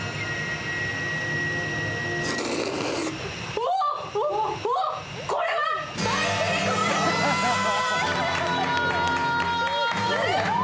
おーっ、これは大成功だー！